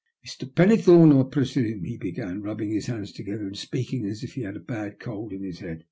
" Mr. Pennethome, I presume," he began, rubbing his hands together and speaking as if he had a bad cold in his head.